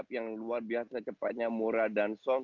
memiliki dua sayap yang luar biasa cepatnya mourad dan song